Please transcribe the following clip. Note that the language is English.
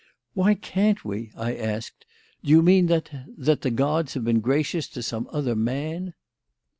"Why can't we?" I asked. "Do you mean that that the gods have been gracious to some other man?"